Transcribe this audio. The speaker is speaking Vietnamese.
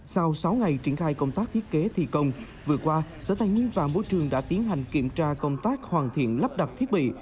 sau sáu ngày triển khai công tác thiết kế thi công vừa qua sở tài nguyên và môi trường đã tiến hành kiểm tra công tác hoàn thiện lắp đặt thiết bị